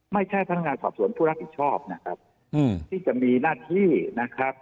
พนักงานสอบสวนผู้รับผิดชอบนะครับที่จะมีหน้าที่นะครับ